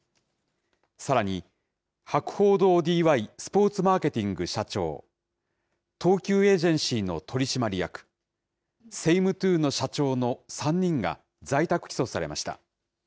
さらに、博報堂ＤＹスポーツマーケティング社長、東急エージェンシーの取締役、セイムトゥーの社長の３人が、在宅起訴されました。